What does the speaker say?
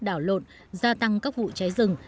đảo lộn gia tăng các vụ cháy rừng